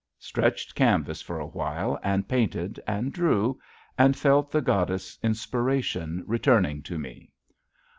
Stretched canvass for a while; and painted and drew, and felt the goddess Inspiration returning to me.